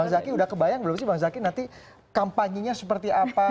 bang zakyat udah kebayang belum sih bang zakyat nanti kampanye nya seperti apa